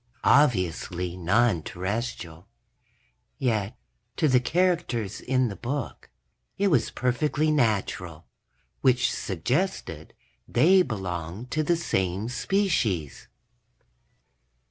Obviously non Terrestrial. Yet, to the characters in the book, it was perfectly natural which suggested they belonged to the same species.